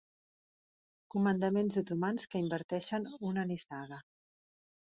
Comandants otomans que inverteixen una nissaga.